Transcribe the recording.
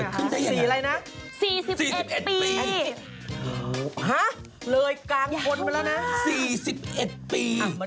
ระดูกันชีวิตจะกินยังไง